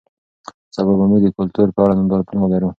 سبا به موږ د کلتور په اړه نندارتون ولرو.